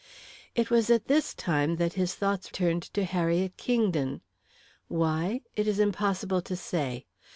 It was at this time that his thoughts turned to Harriet Kingdon. Why? It is impossible to say.